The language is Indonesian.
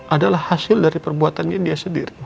adalah hasil dari perbuatannya dia sendiri